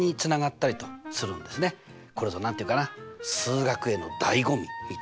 これぞ何て言うかな「数学Ａ」の醍醐味みたいなね。